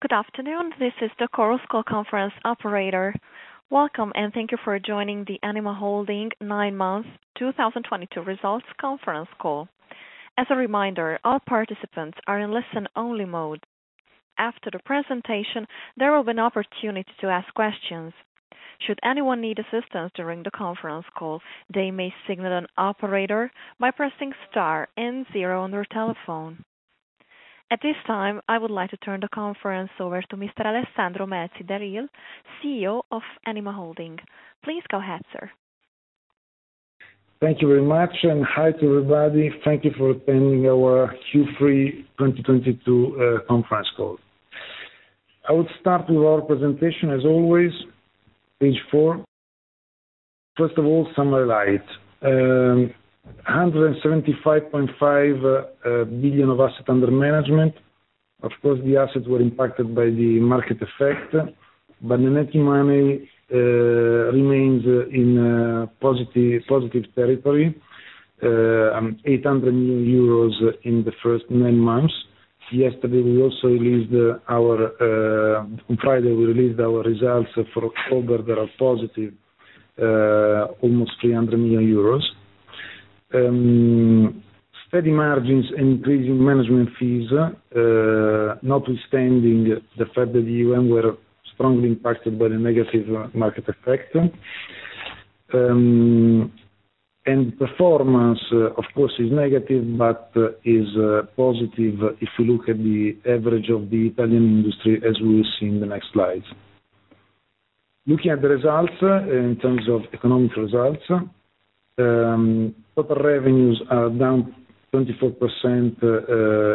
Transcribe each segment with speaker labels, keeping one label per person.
Speaker 1: Good afternoon, this is the Chorus Call Conference Operator. Welcome, and thank you for joining the Anima Holding nine months 2022 results conference call. As a reminder, all participants are in listen-only mode. After the presentation, there will be an opportunity to ask questions. Should anyone need assistance during the conference call, they may signal an operator by pressing star and zero on their telephone. At this time, I would like to turn the conference over to Mr. Alessandro Melzi d'Eril, CEO of Anima Holding. Please go ahead, sir.
Speaker 2: Thank you very much, hi to everybody. Thank you for attending our Q3 2022 conference call. I would start with our presentation as always. Page four. First of all, summary highlights. 175.5 billion of assets under management. Of course, the assets were impacted by the market effect, but the net new money remains in positive territory. 800 million euros in the first nine months. On Friday, we released our results for October that are positive, almost EUR 300 million. Steady margins, increasing management fees, notwithstanding the fact that we're even strongly impacted by the negative market effect. Performance, of course, is negative but is positive if you look at the average of the Italian industry, as we will see in the next slide. Looking at the results in terms of economic results, total revenues are down 24%,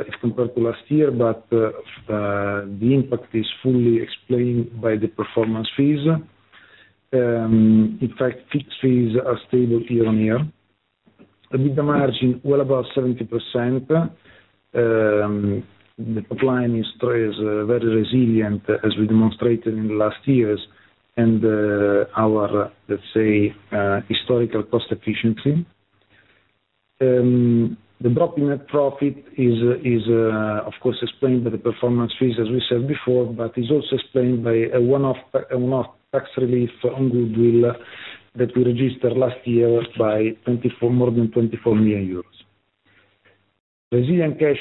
Speaker 2: if compared to last year, but the impact is fully explained by the performance fees. In fact, fixed fees are stable year-over-year. EBITDA margin well above 70%. The top line is very resilient, as we demonstrated in the last years, and our, let's say, historical cost efficiency. The drop in net profit is, of course, explained by the performance fees, as we said before, but is also explained by a one-off tax relief on goodwill that we registered last year of more than 24 million euros. Resilient cash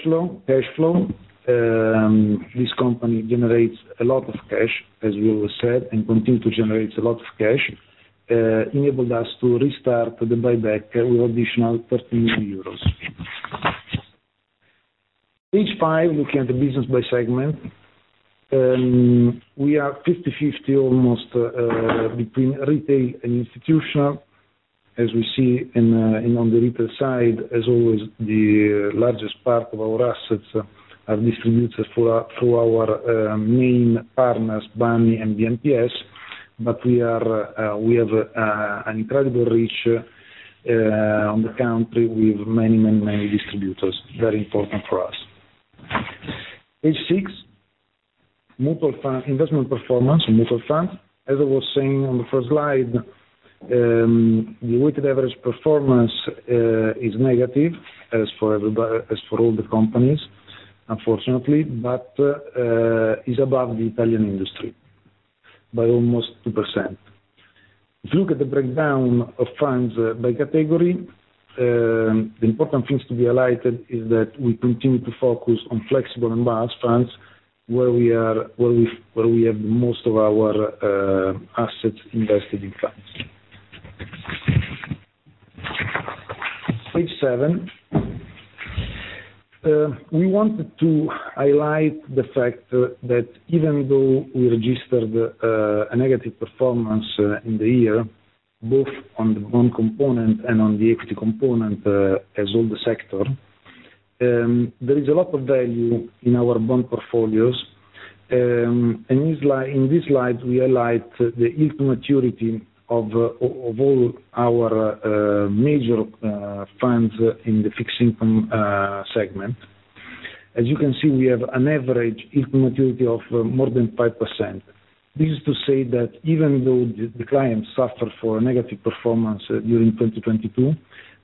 Speaker 2: flow. This company generates a lot of cash, as we always said, and continue to generate a lot of cash. Enabled us to restart the buyback with additional 30 million euros. Page five, looking at the business by segment. We are 50/50 almost between retail and institutional. As we see on the retail side, as always, the largest part of our assets are distributed through our main partners, BAMI and BMPS. We have an incredible reach in the country with many distributors, very important for us. Page six, mutual fund investment performance in mutual funds. As I was saying on the first slide, the weighted average performance is negative as for all the companies, unfortunately, but is above the Italian industry by almost 2%. If you look at the breakdown of funds by category, the important things to be highlighted is that we continue to focus on flexible and balanced funds, where we have most of our assets invested in funds. Page seven. We wanted to highlight the fact that even though we registered a negative performance in the year, both on the bond component and on the equity component, as all the sector, there is a lot of value in our bond portfolios. In this slide, we highlight the yield to maturity of all our major funds in the fixed income segment. As you can see, we have an average yield to maturity of more than 5%. This is to say that even though the clients suffer for a negative performance during 2022,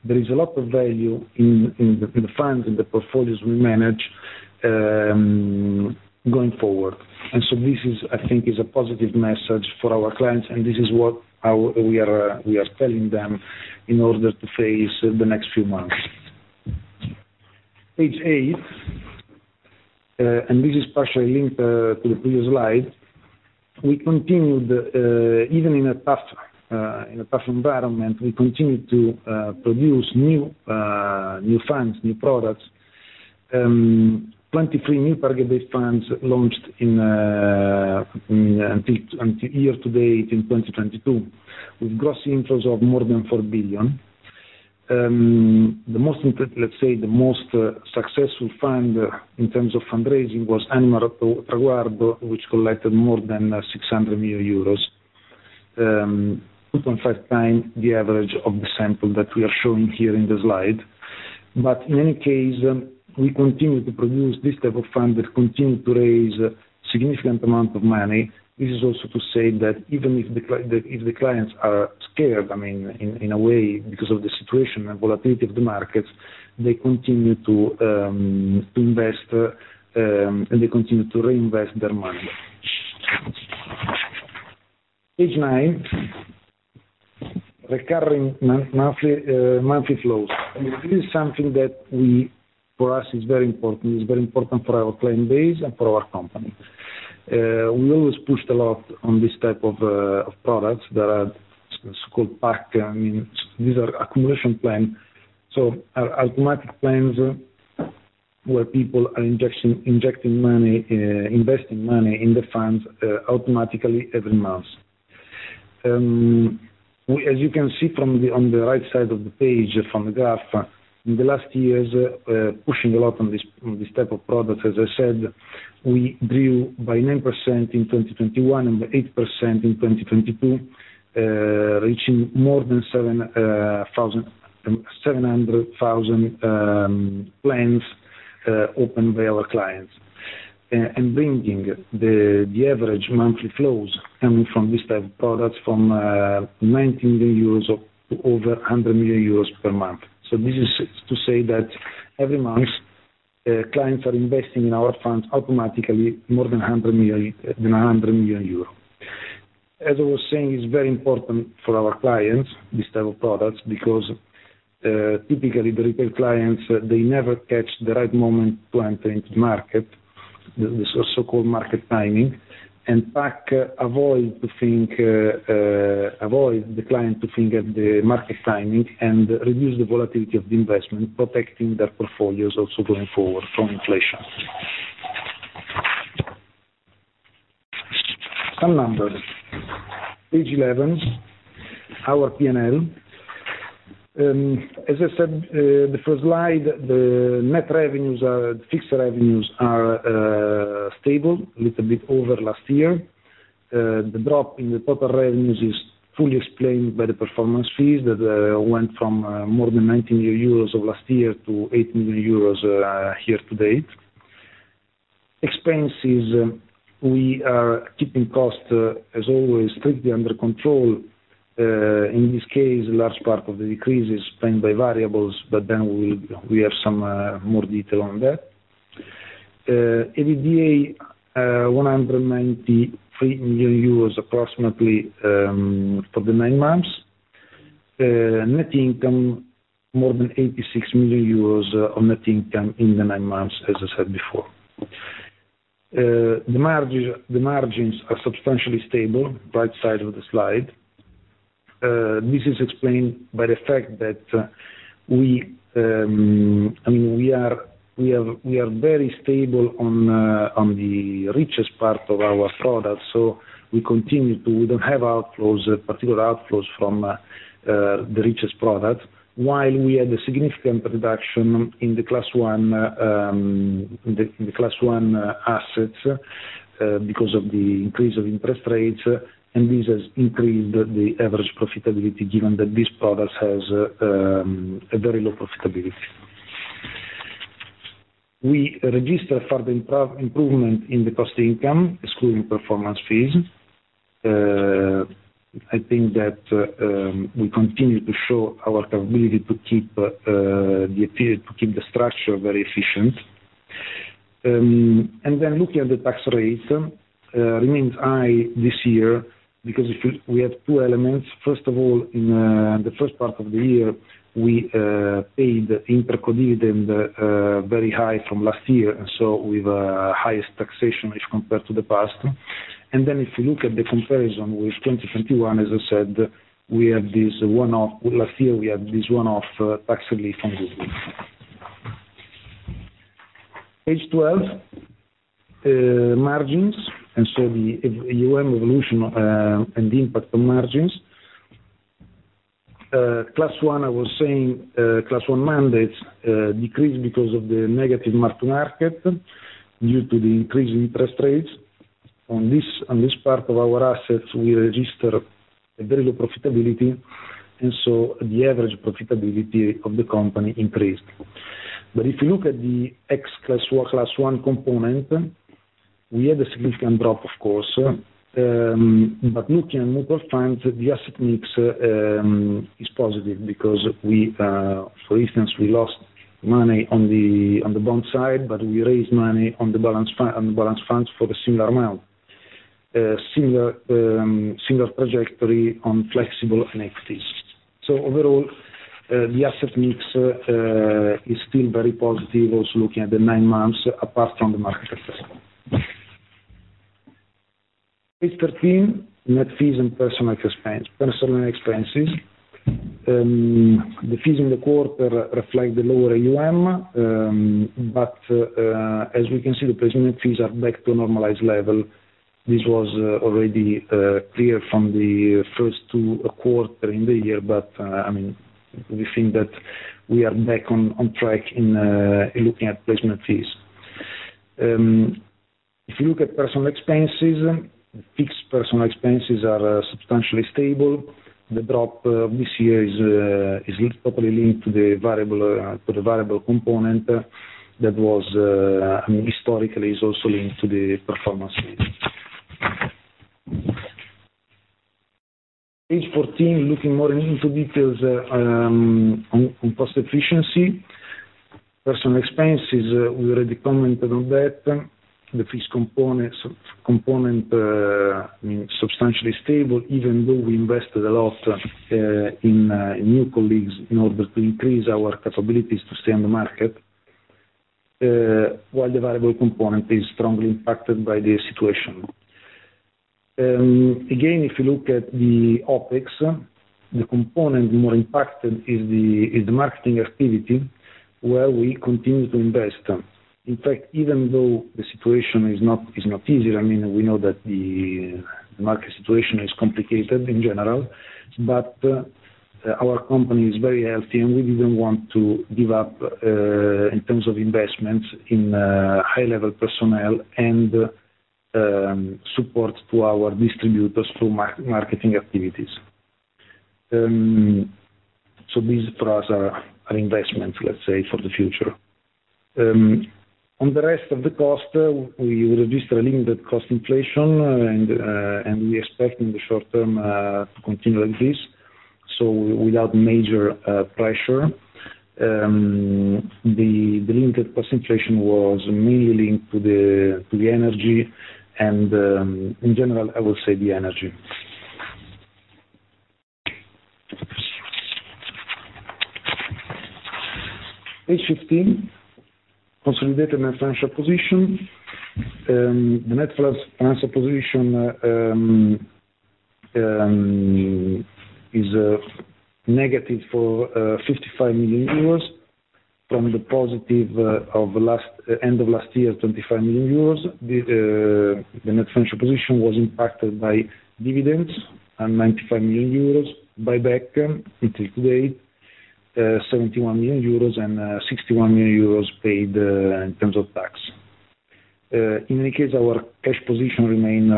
Speaker 2: there is a lot of value in the funds, in the portfolios we manage, going forward. This is, I think, a positive message for our clients, and this is what we are telling them in order to face the next few months. Page eight, this is partially linked to the previous slide. We continued, even in a tough environment, to produce new funds, new products. 23 new target-based funds launched until year to date in 2022, with gross inflows of more than 4 billion. The most, let's say, successful fund in terms of fundraising was Anima Traguardo, which collected more than 600 million euros, 2.5x the average of the sample that we are showing here in the slide. In any case, we continue to produce this type of fund that continue to raise significant amount of money. This is also to say that even if the clients are scared, I mean, in a way, because of the situation and volatility of the markets, they continue to invest, and they continue to reinvest their money. Page nine. Recurring monthly flows. I mean, this is something that for us is very important, is very important for our client base and for our company. We always pushed a lot on this type of products that are so called PAC. I mean, these are accumulation plan, so are automatic plans where people are injecting money, investing money in the funds, automatically every month. As you can see on the right side of the page from the graph, in the last years, pushing a lot on this type of product, as I said, we grew by 9% in 2021 and by 8% in 2022, reaching more than 700,000 plans opened by our clients. Bringing the average monthly flows coming from this type of products from 90 million euros up to over 100 million euros per month. This is to say that every month, clients are investing in our funds automatically more than 100 million euros. As I was saying, it's very important for our clients, these type of products, because typically the retail clients, they never catch the right moment to enter into market. This so-called market timing. PAC avoid to think, avoid the client to think at the market timing and reduce the volatility of the investment, protecting their portfolios also going forward from inflation. Some numbers. Page 11, our P&L. As I said, the first slide, the net revenues are, fixed revenues are stable, a little bit over last year. The drop in the total revenues is fully explained by the performance fees that went from more than 90 million euros of last year to 80 million euros year to date. Expenses, we are keeping costs as always, strictly under control. In this case, large part of the decrease is explained by variables, but then we'll have some more detail on that. EBITDA, 193 million euros approximately for the nine months. Net income, more than 86 million euros on net income in the nine months, as I said before. The margin, the margins are substantially stable, right side of the slide. This is explained by the fact that we. I mean, we are very stable on the richest part of our products, so we continue to. We don't have particular outflows from the richest product. While we had a significant reduction in the Class one, in the Class one assets, because of the increase of interest rates, and this has increased the average profitability given that this product has a very low profitability. We registered further improvement in the cost/income, excluding performance fees. I think that we continue to show our capability to keep the ability to keep the structure very efficient. And then looking at the tax rate remains high this year because we have two elements. First of all, in the first part of the year, we paid interco dividend higher than last year, and so we have the highest taxation as compared to the past. If you look at the comparison with 2021, as I said, we have this one-off tax relief on goodwill last year. Page 12, margins, and so the AUM evolution and the impact on margins. Class one, I was saying, Class one mandates decreased because of the negative mark-to-market due to the increase in interest rates. On this part of our assets, we register a very low profitability, and so the average profitability of the company increased. If you look at the ex-Class one Class one component, we had a significant drop, of course. Looking at mobile phones, the asset mix is positive because we, for instance, we lost money on the bond side, but we raised money on the balanced funds for the similar amount. Similar trajectory on flexible and equities. Overall, the asset mix is still very positive, also looking at the nine months, apart from the market effects. Page 13, net fees and personnel expenses. The fees in the quarter reflect the lower AUM, but as we can see, the placement fees are back to a normalized level. This was already clear from the first two quarters in the year, but I mean, we think that we are back on track in looking at placement fees. If you look at personal expenses, fixed personal expenses are substantially stable. The drop this year is totally linked to the variable component that was, I mean, historically, also linked to the performance fees. Page 14, looking more into details, on cost efficiency. Personal expenses, we already commented on that. The fixed component, I mean, substantially stable even though we invested a lot in new colleagues in order to increase our capabilities to stay on the market. While the variable component is strongly impacted by the situation. Again, if you look at the OpEx, the component more impacted is the marketing activity where we continue to invest. In fact, even though the situation is not easy, I mean, we know that the market situation is complicated in general, but our company is very healthy, and we didn't want to give up in terms of investments in high-level personnel and support to our distributors through marketing activities. These for us are investments, let's say, for the future. On the rest of the cost, we registered a limited cost inflation, and we expect in the short term to continue like this, so without major pressure. The limited cost inflation was mainly linked to the energy, and in general, I would say the energy. Page 15, consolidated net financial position. The net financial position is negative for 55 million euros from the positive of end of last year, 25 million euros. The net financial position was impacted by dividends and 95 million euros, buyback until today, 71 million euros and 61 million euros paid in terms of tax. In any case, our cash position remain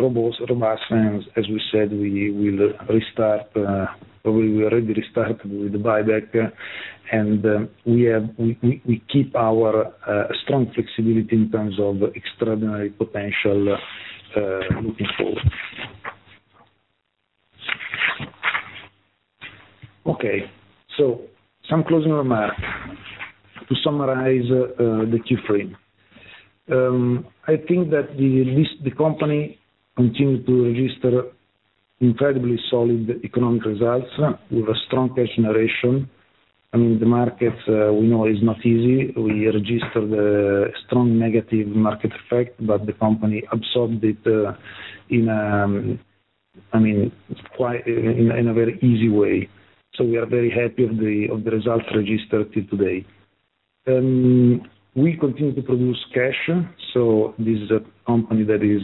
Speaker 2: robust, and as we said, we already restarted with the buyback. We keep our strong flexibility in terms of extraordinary potential looking forward. Okay, some closing remarks to summarize the Q3. I think that at least the company continued to register incredibly solid economic results with a strong cash generation. I mean, the market we know is not easy. We registered the strong negative market effect, but the company absorbed it in quite in a very easy way. We are very happy of the results registered till today. We continue to produce cash. This is a company that is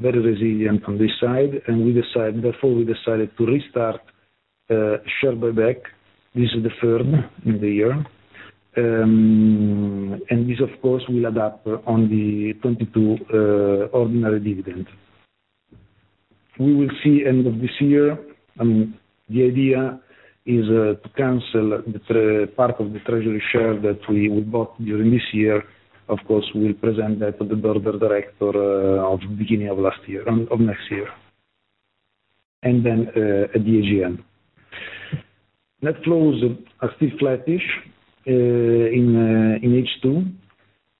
Speaker 2: very resilient on this side, and we decided to restart share buyback. This is the third in the year. This, of course, will adapt on the 2022 ordinary dividend. We will see end of this year the idea is to cancel the part of the treasury share that we bought during this year. Of course, we'll present that to the board of directors at the beginning of next year, and then at the AGM. Net flows are still flattish in H2.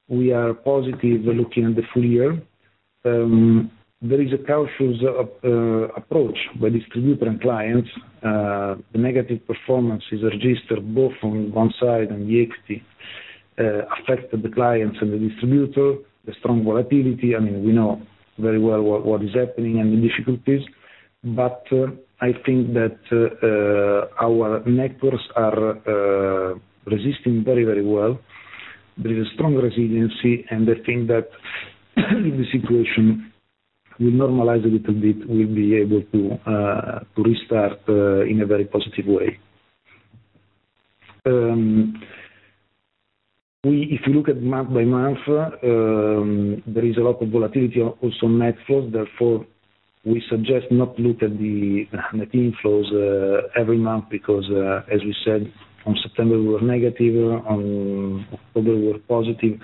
Speaker 2: We are positive looking at the full year. There is a cautious approach by distributors and clients. The negative performance is registered both on one side, and the FI affected the clients and the distributor. The strong volatility, I mean, we know very well what is happening and the difficulties. I think that our networks are resisting very, very well. There is a strong resiliency, and I think that in this situation, we normalize a little bit, we'll be able to to restart in a very positive way. If you look month-by-month, there is a lot of volatility also on net flows. Therefore, we suggest not look at the net inflows every month because, as we said, from September, we were negative. On October, we're positive.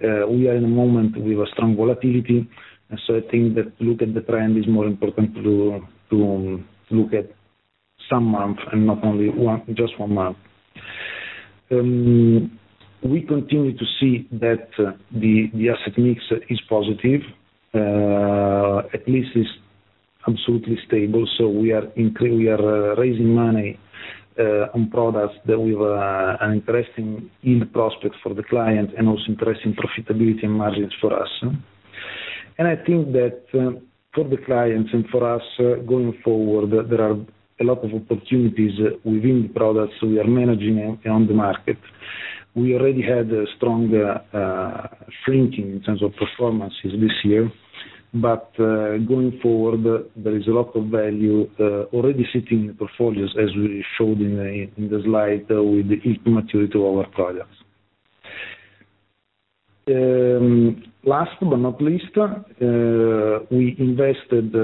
Speaker 2: We are in a moment with a strong volatility, and so I think that look at the trend is more important to look at some month and not only one, just one month. We continue to see that the asset mix is positive. At least it's absolutely stable. We are raising money on products that we were interested in the prospects for the client and also interested profitability and margins for us. I think that, for the clients and for us, going forward, there are a lot of opportunities within the products we are managing on the market. We already had a strong shrinking in terms of performances this year. Going forward, there is a lot of value already sitting in the portfolios, as we showed in the slide with the maturity of our products. Last but not least, we invested,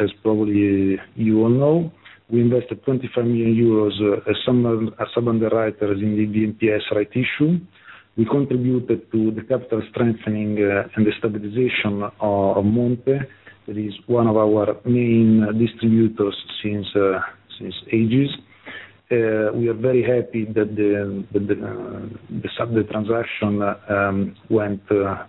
Speaker 2: as probably you all know, 25 million euros as some underwriters in the MPS rights issue. We contributed to the capital strengthening and the stabilization of Monte. That is one of our main distributors since ages. We are very happy that the subject transaction was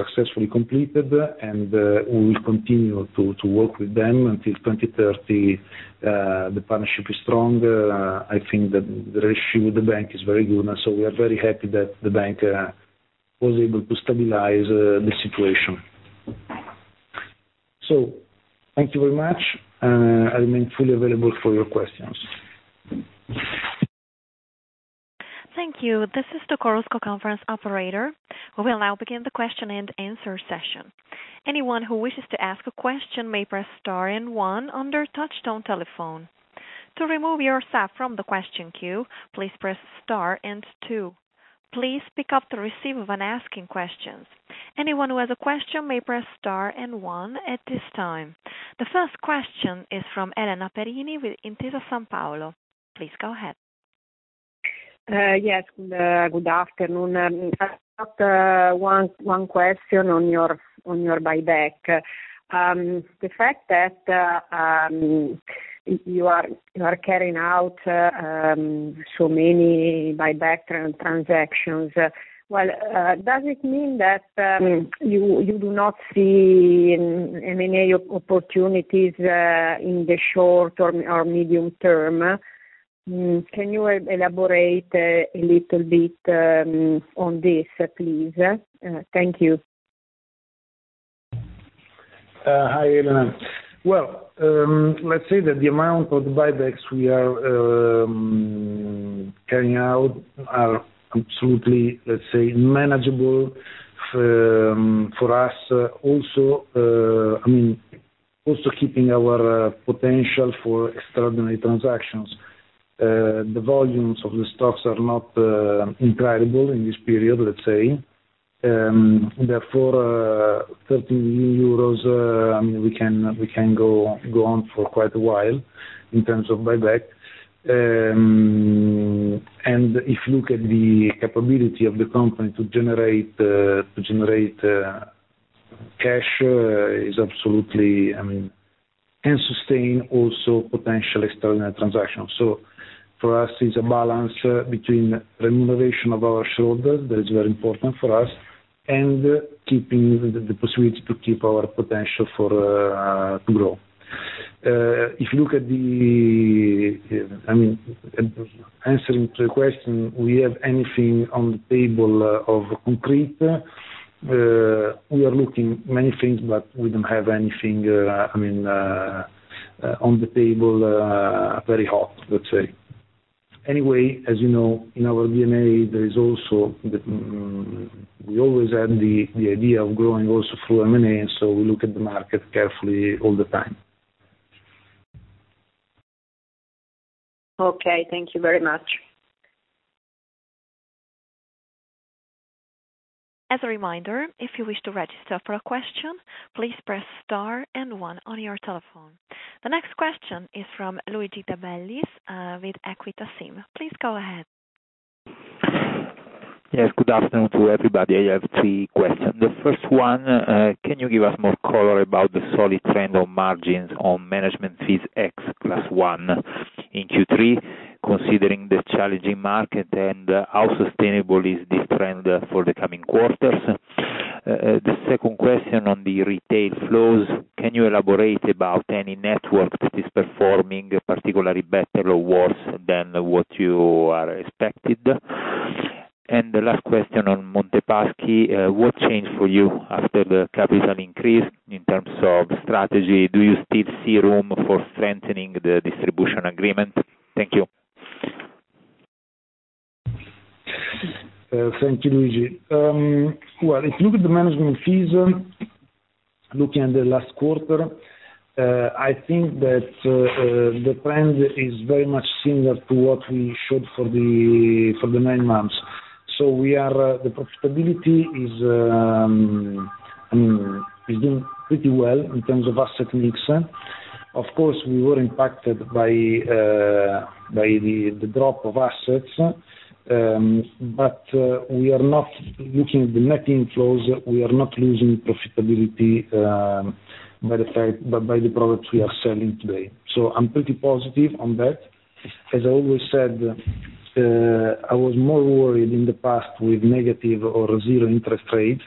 Speaker 2: successfully completed, and we will continue to work with them until 2030. The partnership is strong. I think the relationship with the bank is very good, and we are very happy that the bank was able to stabilize the situation. Thank you very much, and I remain fully available for your questions.
Speaker 1: Thank you. This is the Chorus Call conference operator. We will now begin the question and answer session. Anyone who wishes to ask a question may press star and one on their touchtone telephone. To remove yourself from the question queue, please press star and two. Please pick up the receiver when asking questions. Anyone who has a question may press star and one at this time. The first question is from Elena Perini with Intesa Sanpaolo. Please go ahead.
Speaker 3: Yes. Good afternoon. I've got one question on your buyback. The fact that you are carrying out so many buyback transactions, well, does it mean that you do not see many opportunities in the short or medium term? Can you elaborate a little bit on this, please? Thank you.
Speaker 2: Hi, Elena. Well, let's say that the amount of buybacks we are carrying out are absolutely, let's say, manageable for us. Also, I mean, also keeping our potential for extraordinary transactions. The volumes of the stocks are not incredible in this period, let's say. Therefore, 30 euros, I mean, we can go on for quite a while in terms of buyback. If you look at the capability of the company to generate cash is absolutely, I mean, and sustain also potential external transactions. For us, it's a balance between remuneration of our shareholders, that is very important for us, and keeping the pursuit to keep our potential to grow. If you look at the, I mean, answering the question, we have nothing concrete on the table. We are looking at many things, but we don't have anything, I mean, on the table very hot, let's say. Anyway, as you know, in our DNA, there is also the. We always had the idea of growing also through M&A, so we look at the market carefully all the time.
Speaker 3: Okay. Thank you very much.
Speaker 1: As a reminder, if you wish to register for a question, please press star and one on your telephone. The next question is from Luigi de Bellis with Equita SIM. Please go ahead.
Speaker 4: Yes, good afternoon to everybody. I have three questions. The first one, can you give us more color about the solid trend on margins on management fees ex plus one in Q3, considering the challenging market, and how sustainable is this trend for the coming quarters? The second question on the retail flows, can you elaborate about any network that is performing particularly better or worse than expected? The last question on Monte dei Paschi, what changed for you after the capital increase in terms of strategy? Do you still see room for strengthening the distribution agreement? Thank you.
Speaker 2: Thank you, Luigi. Well, if you look at the management fees, looking at the last quarter, I think that the trend is very much similar to what we showed for the nine months. We are the profitability is, I mean, is doing pretty well in terms of asset mix. Of course, we were impacted by the drop of assets, but we are not looking at the net inflows. We are not losing profitability by the products we are selling today. I'm pretty positive on that. As I always said, I was more worried in the past with negative or zero interest rates.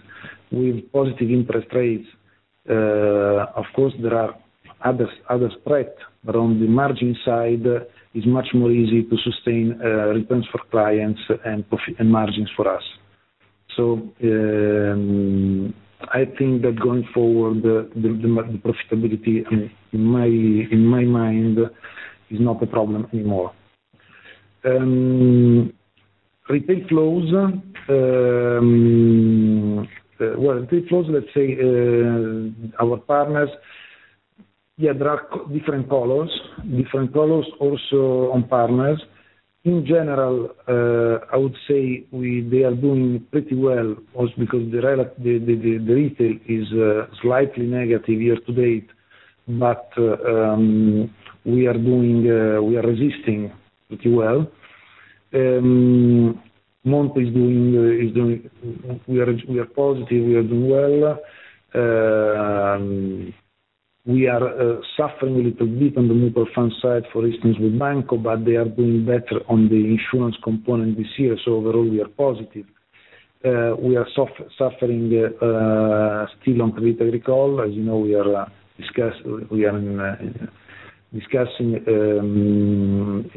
Speaker 2: With positive interest rates, of course, there are other threats. On the margin side, it's much more easy to sustain returns for clients and margins for us. I think that going forward, the profitability in my mind is not a problem anymore. Retail flows. Well, retail flows, let's say, our partners, yeah, there are different colors. Different colors also on partners. In general, I would say they are doing pretty well, also because the retail is slightly negative year to date. We are resisting pretty well. Monte is doing. We are positive. We are doing well. We are suffering a little bit on the mutual fund side, for instance, with Banco, but they are doing better on the insurance component this year. Overall, we are positive. We are suffering still on retail recall. As you know, we are discussing a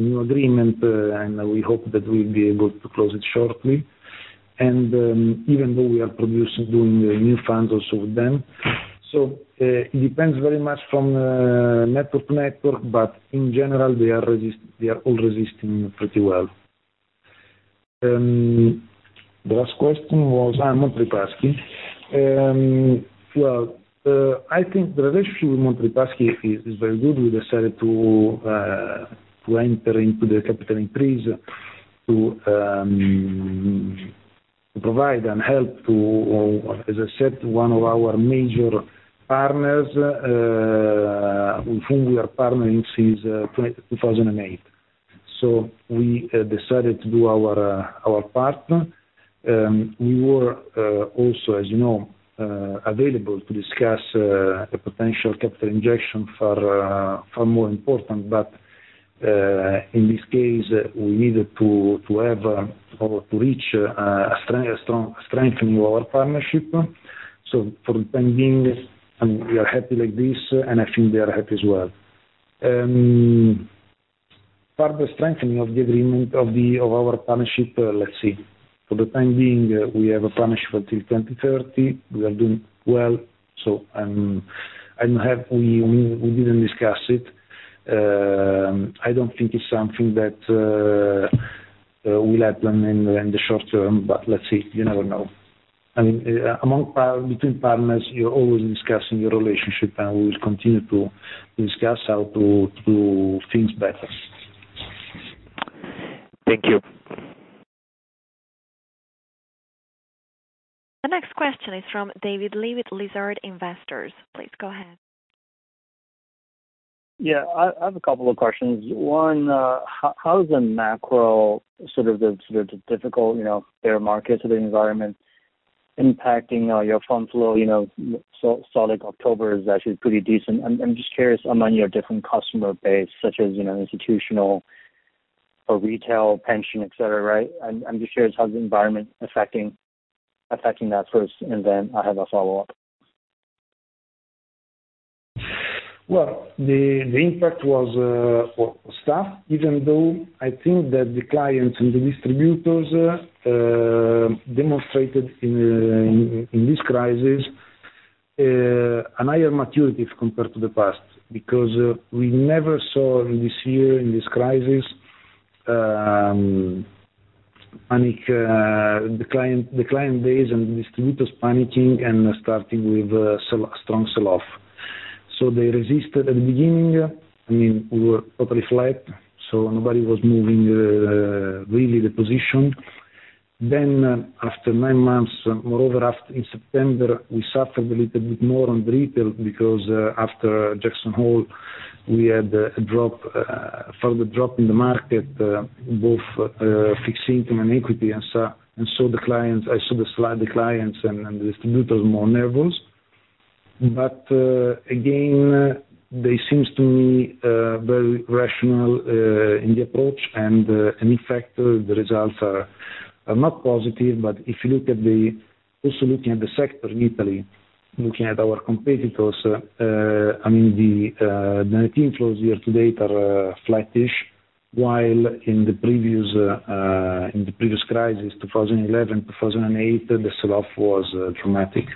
Speaker 2: new agreement, and we hope that we'll be able to close it shortly. Even though we are doing new funds also with them. It depends very much from network to network, but in general, they are all resisting pretty well. The last question was Monte Paschi. Well, I think the relationship with Monte Paschi is very good. We decided to enter into the capital increase to provide and help to, as I said, one of our major partners, with whom we are partnering since 2008. We decided to do our part. We were also, as you know, available to discuss a potential capital injection for far more important, but in this case, we needed to have or to reach a strong strengthening of our partnership. For the time being, we are happy like this, and I think they are happy as well. Further strengthening of the agreement of our partnership, let's see. For the time being, we have a partnership until 2030. We are doing well. We didn't discuss it. I don't think it's something that will happen in the short term, but let's see. You never know. I mean, among partners, between partners, you're always discussing your relationship, and we will continue to discuss how to do things better.
Speaker 4: Thank you.
Speaker 1: The next question is from David Li with Lizard Investors. Please go ahead.
Speaker 5: Yeah, I have a couple of questions. One, how is the macro sort of the difficult, you know, bear market sort of environment impacting your fund flow, you know, so like October is actually pretty decent. I'm just curious among your different customer base, such as, you know, institutional or retail, pension, et cetera, right? I'm just curious how the environment is affecting that first, and then I have a follow-up.
Speaker 2: The impact was, well, it was tough, even though I think that the clients and the distributors demonstrated in this crisis a higher maturity compared to the past, because we never saw in this year, in this crisis, panic, the client base and distributors panicking and starting with sell off, strong sell off. They resisted at the beginning. I mean, we were totally flat, so nobody was moving really the position. After nine months, moreover, in September, we suffered a little bit more on retail because, after Jackson Hole, we had a drop, further drop in the market, both fixed income and equity, and so the clients. I saw the slide, the clients and the distributors more nervous. Again, they seems to me very rational in the approach, and in fact, the results are not positive. If you look at the sector in Italy, looking at our competitors, I mean, the net inflows year to date are flattish, while in the previous crisis, 2011, 2008, the sell-off was dramatic.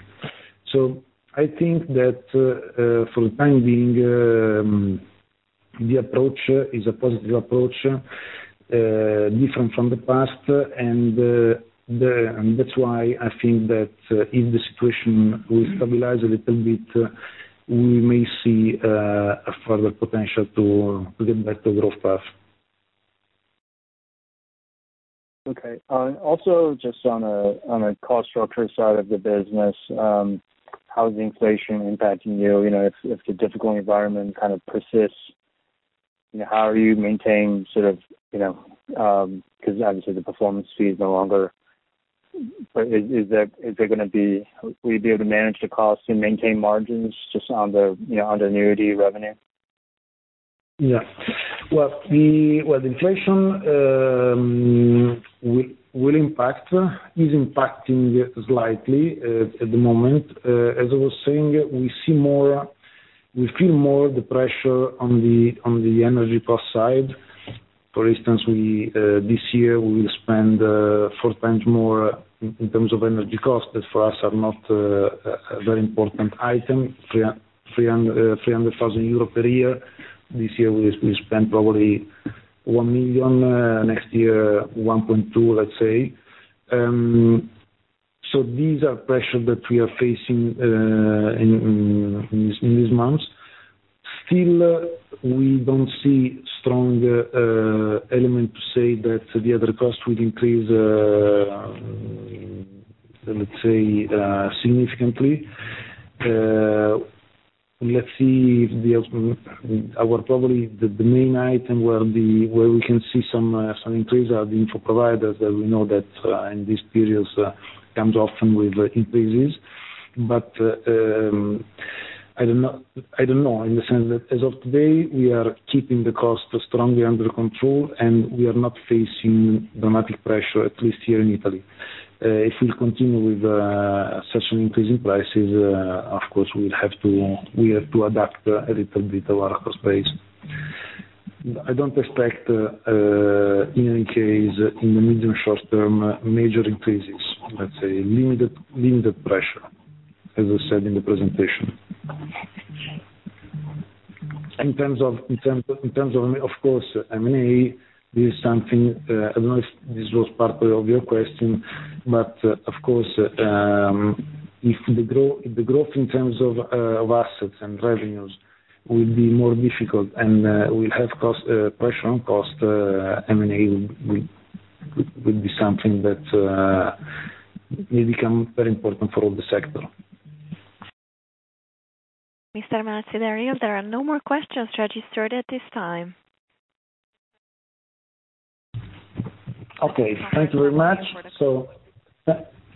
Speaker 2: I think that for the time being, the approach is a positive approach different from the past. That's why I think that if the situation will stabilize a little bit, we may see a further potential to get back to growth path.
Speaker 5: Okay. Also just on a cost structure side of the business, how is inflation impacting you? You know, if the difficult environment kind of persists, you know, how are you maintain sort of, you know, 'cause obviously the performance fee is no longer. Will you be able to manage the costs and maintain margins just on the, you know, on the annuity revenue?
Speaker 2: Well, the inflation will impact. Is impacting slightly at the moment. As I was saying, we see more, we feel more the pressure on the energy cost side. For instance, this year we will spend four times more in terms of energy costs. That for us are not a very important item. 300,000 euro per year. This year we spent probably 1 million. Next year, 1.2 million, let's say. These are pressure that we are facing in these months. Still, we don't see strong element to say that the other costs will increase, let's say, significantly. Probably the main item where we can see some increase are the info providers that we know that in these periods comes often with increases. I don't know in the sense that as of today, we are keeping the cost strongly under control, and we are not facing dramatic pressure, at least here in Italy. If we continue with such an increase in prices, of course we have to adapt a little bit our cost base. I don't expect in any case, in the medium short term, major increases. Let's say limited pressure, as I said in the presentation. In terms of course, M&A is something I don't know if this was part of your question, but, of course, if the growth in terms of assets and revenues will be more difficult and will have cost pressure on cost, M&A will be something that may become very important for all the sector.
Speaker 1: Mr. Melzi d'Eril, there are no more questions registered at this time.
Speaker 2: Okay. Thank you very much.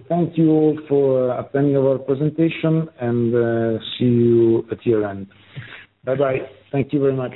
Speaker 2: Thank you for attending our presentation and see you at year-end. Bye-bye. Thank you very much.